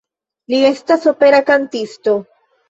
Li estas opera kantisto.